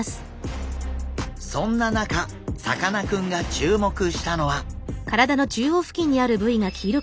そんな中さかなクンが注目したのは。